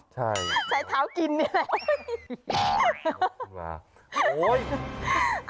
ใช่ใช้เท้ากินนี่แหละ